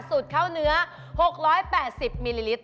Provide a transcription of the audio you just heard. สูตรข้าวเนื้อ๖๘๐มิลลิลิตร